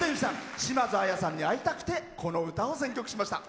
島津亜矢さんに会いたくてこの歌を選曲しました。